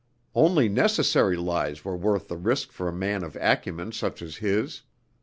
Only necessary lies were worth the risk for a man of acumen such as his.